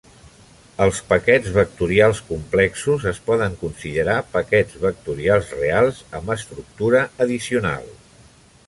Els paquets vectorials complexos es poden considerar paquets vectorials reals amb estructura addicional.